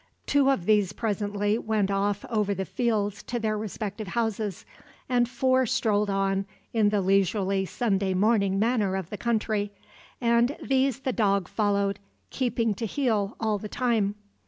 Two of these presently went off over the fields to their respective houses, and four strolled on in the leisurely Sunday morning manner of the country, and these the dog followed, keeping to heel all the time.